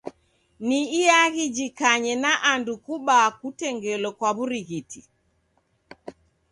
Ni iaghi jikanye na andu kubaa kutengelo kwa w'urighiti.